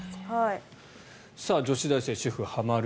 女子大生、主婦がはまる。